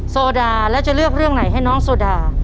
โซดาแล้วจะเลือกเรื่องไหนให้น้องโซดา